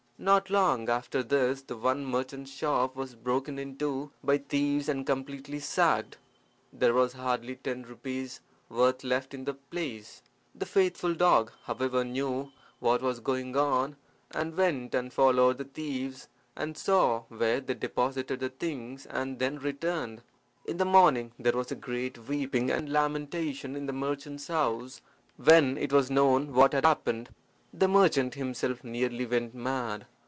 Not long after this the other merchant's shop was broken into by thieves and completely sacked. There was hardly ten rupees' worth left in the place. The faithful dog, however, knew what was going on, and went and followed the thieves, and saw where they deposited the things, and then returned. "In the morning there was great weeping and lamentation in the merchant's house when it was known what had happened. The merchant himself nearly went mad.